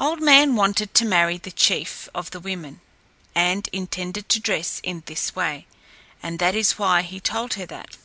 Old Man wanted to marry the chief of the women, and intended to dress in this way, and that is why he told her that.